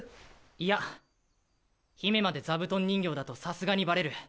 いや姫まで座布団人形だとさすがにバレる。